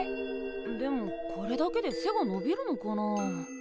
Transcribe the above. でもこれだけで背がのびるのかなあ。